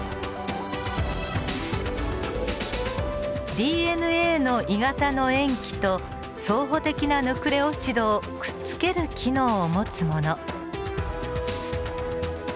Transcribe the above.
ＤＮＡの鋳型の塩基と相補的なヌクレオチドをくっつける機能を持つもの。